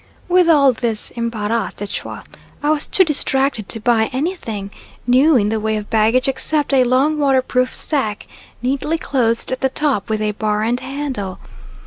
With all this embarras de choix I was too distracted to buy anything new in the way of baggage except a long waterproof sack neatly closed at the top with a bar and handle.